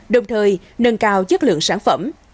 đồng thời nâng cao chất lượng sản phẩm